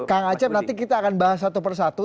kang acep nanti kita akan bahas satu persatu